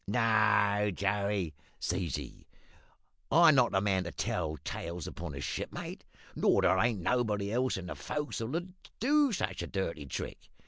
"`No, Joey,' says he, `I'm not the man to tell tales upon a shipmate; nor there ain't nobody else in the fo'c's'le as'll do such a dirty trick.